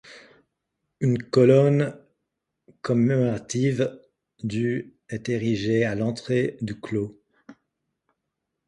Une colonne commémorative du est érigée à l'entrée du Clos.